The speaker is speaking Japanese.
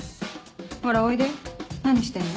ほらおいで何してんの？